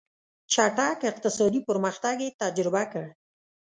چټک اقتصادي پرمختګ یې تجربه کړ.